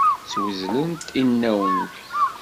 Swezlent inaw-nni.